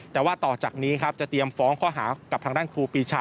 แต่ว่าต่อจากนี้ครับจะเตรียมฟ้องข้อหากับทางด้านครูปีชา